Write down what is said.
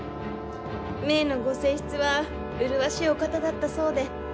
ご正室は麗しいお方だったそうで。